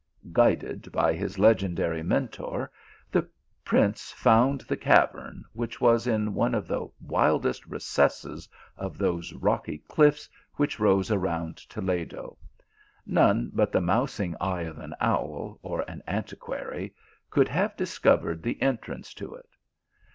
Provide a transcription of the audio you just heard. Guided by his legendary Mentor, the prince found the cavern, which was in one of the wildest recesses of those rocky cliffs which rose around Toledo ; none but the mousing eye of an owl or an antiquary could have discovered the entrance to it.